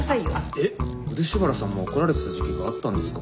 えっ漆原さんも怒られてた時期があったんですか？